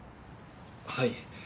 はい。